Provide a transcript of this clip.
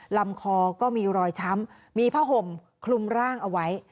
ลำคอก็มีรอยช้ำมีผ้าห่มคลุมร่างเอาไว้